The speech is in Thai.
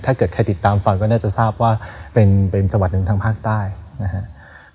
ถ้าเกิดใครติดตามฟังก็น่าจะทราบว่าเป็นจังหวัดหนึ่งทางภาคใต้นะครับ